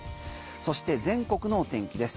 そして、全国の天気です。